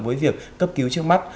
với việc cấp cứu trước mắt